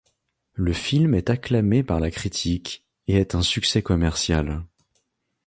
Le film est acclamé par la critique et est un succès commercial.